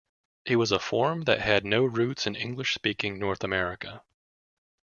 It was a form that had no roots in English-speaking North America.